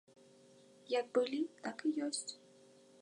Як былі, так і ёсць.